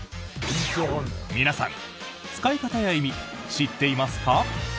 皆さん、使い方や意味知っていますか？